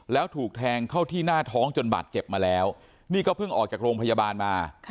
แล้วถูกแทงเข้าที่หน้าท้องจนบาดเจ็บมาแล้วนี่ก็เพิ่งออกจากโรงพยาบาลมา